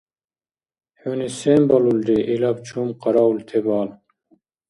ХӀуни сен балулри илаб чум къараул тебал?